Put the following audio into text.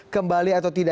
kembali atau tidak